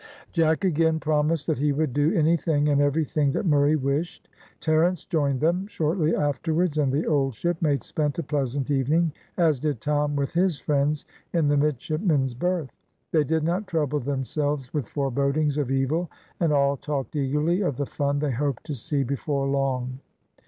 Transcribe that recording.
Jack again promised that he would do anything and everything that Murray wished. Terence joined them shortly afterwards, and the old shipmates spent a pleasant evening, as did Tom with his friends in the midshipmen's berth. They did not trouble themselves with forebodings of evil, and all talked eagerly of the fun they hoped to see before long.